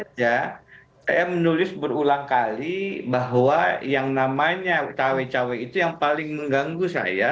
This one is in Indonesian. saya menulis berulang kali bahwa yang namanya cawe cawe itu yang paling mengganggu saya